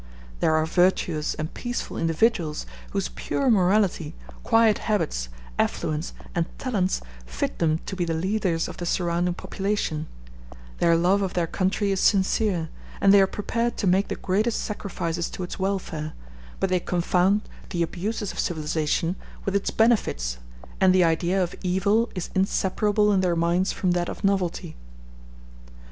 There are virtuous and peaceful individuals whose pure morality, quiet habits, affluence, and talents fit them to be the leaders of the surrounding population; their love of their country is sincere, and they are prepared to make the greatest sacrifices to its welfare, but they confound the abuses of civilization with its benefits, and the idea of evil is inseparable in their minds from that of novelty.